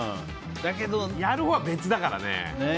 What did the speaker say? だけど、やるほうは別だからね。